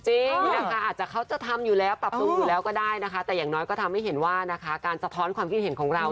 จริงนะคะอาจจะเขาจะทำอยู่แล้วปรับปรุงอยู่แล้วก็ได้นะคะแต่อย่างน้อยก็ทำให้เห็นว่านะคะการสะท้อนความคิดเห็นของเรา